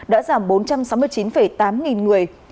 đã giảm bốn trăm sáu mươi chín tám nghìn người